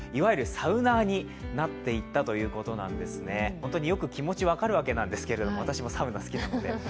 本当によく、気持ち分かるわけなんですけど私もサウナ好きなんで。